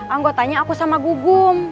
anggotanya aku sama gugum